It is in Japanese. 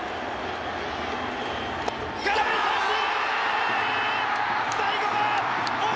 空振り三振！